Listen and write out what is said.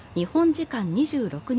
時間２６日